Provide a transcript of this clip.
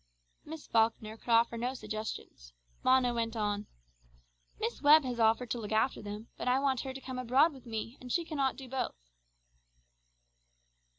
Miss Falkner could offer no suggestion. Mona went on "Miss Webb has offered to look after them, but I want her to come abroad with me, and she cannot do both."